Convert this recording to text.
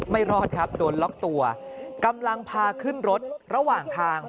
ไม่รอดครับโดนล็อกตัวกำลังพาขึ้นรถระหว่างทาง